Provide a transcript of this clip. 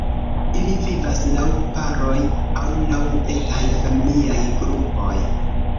Ili vivas laŭ paroj aŭ laŭ etaj familiaj grupoj.